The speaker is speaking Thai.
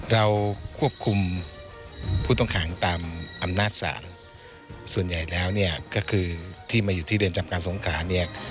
เราควบคุมผู้ต้องขังตามอำนาจศาลส่วนใหญ่แล้วเนี่ยก็คือที่มาอยู่ที่เรือนจำการสงขาเนี่ย